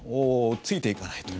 ついていかないと。